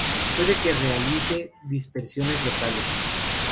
Puede que realice dispersiones locales.